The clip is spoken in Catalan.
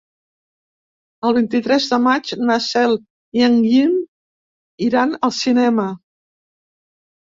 El vint-i-tres de maig na Cel i en Guim iran al cinema.